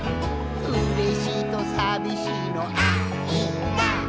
「うれしいとさびしいのあ・い・だ！」